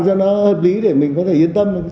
cho nó hợp lý để mình có thể yên tâm